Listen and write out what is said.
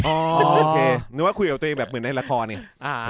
โอเคคิดว่าคุยกับตัวเองเหมือนในละครเงี้ย